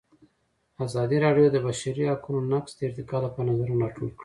ازادي راډیو د د بشري حقونو نقض د ارتقا لپاره نظرونه راټول کړي.